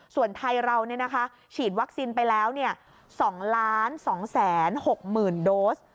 ส่วนไทยเราฉีดวัคซีนไปแล้ว๒๒๖๐๐๐โดส